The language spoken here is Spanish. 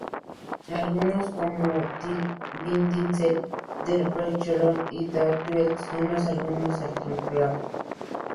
Algunos como: "Die Insel", "Der Bachelor" o "Diät-Duell" son sólo algunos ejemplos.